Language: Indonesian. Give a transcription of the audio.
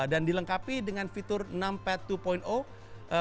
dan dilengkapi dengan fitur numpad dua